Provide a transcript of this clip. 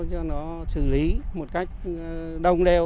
cho nó xử lý một cách đông đều